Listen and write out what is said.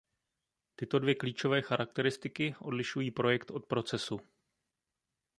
Tyto dvě klíčové charakteristiky odlišují projekt od procesu.